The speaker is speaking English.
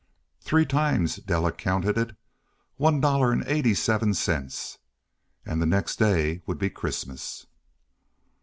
Three times Della counted it. One dollar and eighty seven cents. And the next day would be Christmas.